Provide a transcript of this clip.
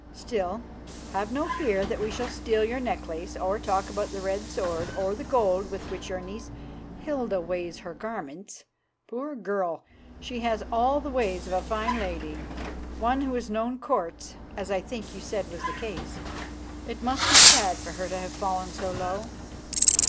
Still, have no fear that we shall steal your necklace or talk about the red sword or the gold with which your niece Hilda weights her garments. Poor girl, she has all the ways of a fine lady, one who has known Courts, as I think you said was the case. It must be sad for her to have fallen so low.